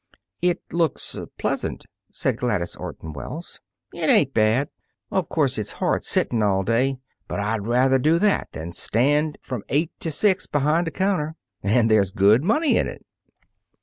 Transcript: "It looks pleasant," said Gladys Orton Wells. "It ain't bad. Of course it's hard sitting all day. But I'd rather do that than stand from eight to six behind a counter. And there's good money in it."